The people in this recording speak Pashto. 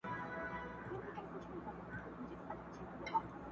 ډېر هوښیار وو ډېري ښې لوبي یې کړلې٫